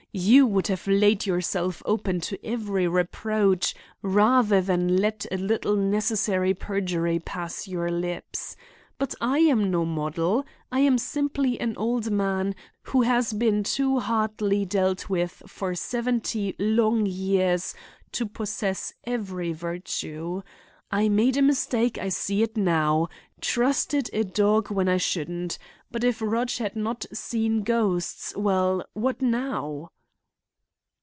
You would have laid yourselves open to every reproach rather than let a little necessary perjury pass your lips. But I am no model. I am simply an old man who has been too hardly dealt with for seventy long years to possess every virtue. I made a mistake—I see it now—trusted a dog when I shouldn't—but if Rudge had not seen ghosts—well, what now?"